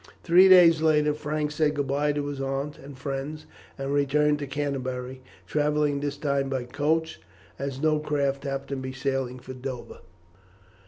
Three days later Frank said good bye to his aunt and friends, and returned to Canterbury, travelling this time by coach, as no craft happened to be sailing for Dover.